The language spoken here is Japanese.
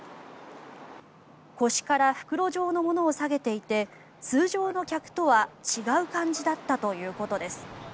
腰から袋状のものを下げていて通常の客とは違う感じだったということです。